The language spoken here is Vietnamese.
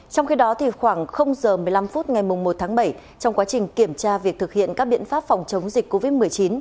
trong khi đó khoảng giờ một mươi năm phút ngày một tháng bảy trong quá trình kiểm tra việc thực hiện các biện pháp phòng chống dịch covid một mươi chín